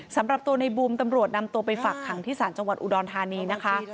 สำหรับตัวในบูมตำรวจนำตัวไปฝักขังที่ศาลจังหวัดอุดรธานีนะคะ